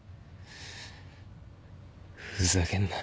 ふざけんな。